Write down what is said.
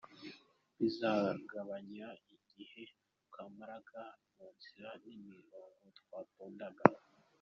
Bizagabanya igihe twamaraga mu nzira n’imirongo twatondaga.